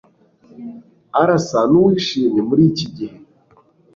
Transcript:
Arasa nuwishimye muriki gihe